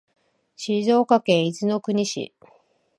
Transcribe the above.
静岡県伊豆の国市